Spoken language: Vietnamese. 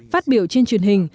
phát biểu trên truyền hình